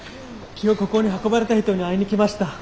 今日ここに運ばれた人に会いに来ました。